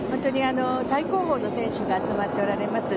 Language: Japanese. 最高峰の選手が集まっておられます。